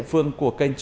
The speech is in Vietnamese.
những cảnh đẹp nền thơ